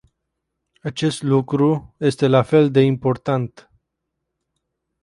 Acest lucru este la fel de important.